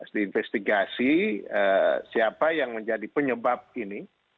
diinvestigasi siapa yang menjadi penyebab ini